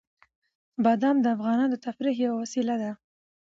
بادام د افغانانو د تفریح یوه وسیله ده.